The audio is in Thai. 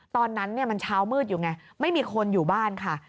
ตอนนั้นมันเช้ามืดอยู่ไงไม่มีคนอยู่บ้านค่ะ